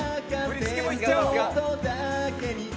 振り付けもいっちゃおう！